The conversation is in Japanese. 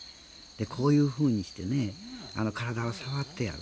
こういうふうにしてね体を触ってやる。